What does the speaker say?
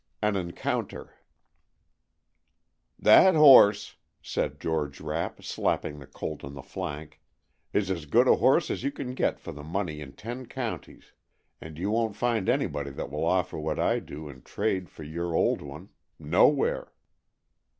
XV. AN ENCOUNTER "THAT horse," said George Rapp, slapping the colt on the flank, "is as good a horse as you can get for the money in ten counties, and you won't find anybody that will offer what I do in trade for your old one. Nowhere."